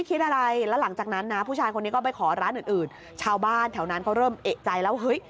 อ้าวฟังนั้นไม่พอใจอีกโมโหใหญ่เลย